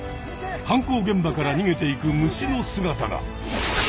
犯行現場からにげていく虫の姿が！